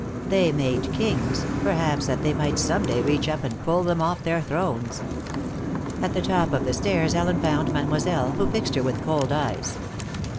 They made kings, perhaps that they might some day reach up and pull them off their thrones. At the top of the stairs Ellen found Mademoiselle, who fixed her with cold eyes.